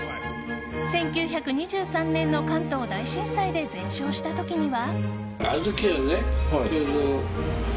１９２３年の関東大震災で全焼した時には。